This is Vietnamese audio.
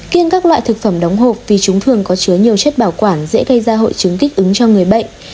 kiên các loại thực phẩm đóng hộp vì chúng thường có chứa nhiều chất bảo quản dễ gây ra hội chứng kích ứng cho người bệnh